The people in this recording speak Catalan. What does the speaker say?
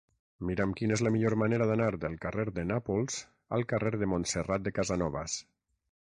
Mira'm quina és la millor manera d'anar del carrer de Nàpols al carrer de Montserrat de Casanovas.